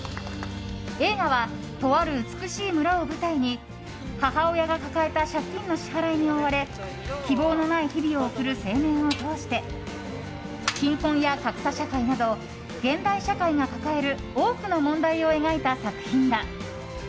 映画は、とある美しい村を舞台に母親が抱えた借金の支払いに追われ希望のない日々を送る青年を通して貧困や格差社会など現代社会が抱える多くの問題を描いた作品だ。